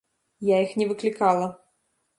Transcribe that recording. Я іх не выклікала.